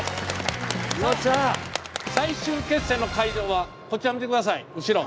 最終決戦の会場はこちらを見て下さい後ろ。